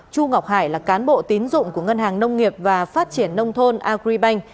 chu ngọc hải là cán bộ tín dụng của ngân hàng nông nghiệp và phát triển nông thôn agribank